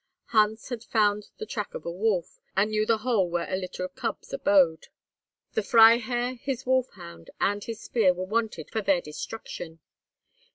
Hans had found the track of a wolf, and knew the hole where a litter of cubs abode; the Freiherr, his wolf hound, and his spear were wanted for their destruction.